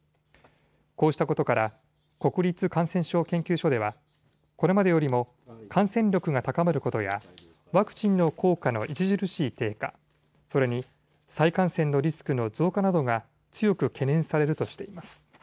こうしたことから国立感染症研究所ではこれまでよりも感染力が高まることやワクチンの効果の著しい低下、それに再感染のリスクの増加などが強く懸念されるとしています。